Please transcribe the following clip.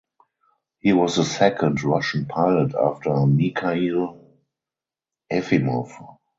He was the second Russian pilot after Mikhail Efimov.